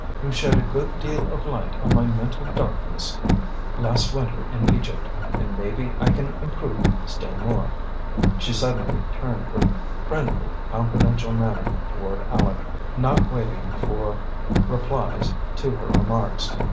You shed a good deal of light on my mental darkness last winter in Egypt, and maybe I can improve still more." She suddenly turned with friendly, confidential manner toward Aleck, not waiting for replies to her remarks.